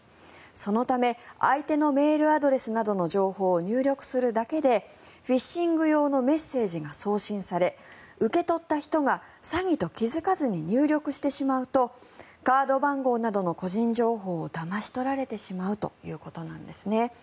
そのため、相手のメールアドレスなどの情報を入力するだけでフィッシング用のメッセージが送信され受け取った人が詐欺と気付かずに入力してしまうとカード番号などの個人情報をだまし取られてしまうということなんですね。